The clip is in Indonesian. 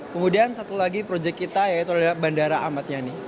kemudian satu lagi proyek kita yaitu adalah bandara amatnya